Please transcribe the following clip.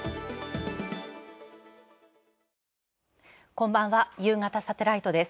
こんばんはゆうがたサテライトです